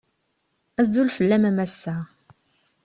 Azul fell-am a massa.